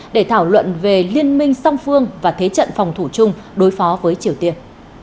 để thảo luận về liên minh song phương và thế trận phòng thủ chung đối phó với triều tiên